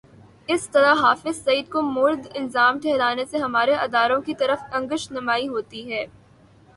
اس طرح حافظ سعید کو مورد الزام ٹھہرانے سے ہمارے اداروں کی طرف انگشت نمائی ہوتی ہے۔